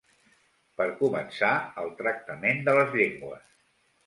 Per començar, el tractament de les llengües.